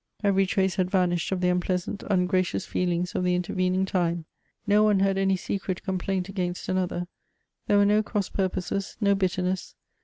Every trace had vanished of the unpleasant, ungra c ious feelings of the intervening time. No one had any secret complaint against another; there wore no cross purposes, no bitterness.